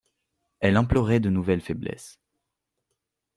Elle implorait de nouvelles faiblesses.